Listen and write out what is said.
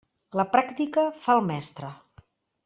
La pràctica fa al mestre.